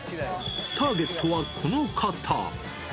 ターゲットはこの方。